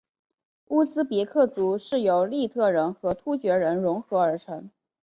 乌兹别克族是由粟特人和突厥人溶合而成。